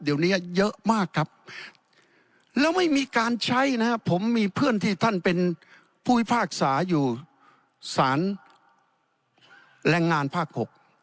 เดี๋ยวนี้เยอะมากครับแล้วไม่มีการใช้นะครับผมมีเพื่อนที่ท่านเป็นผู้พิพากษาอยู่สารแรงงานภาค๖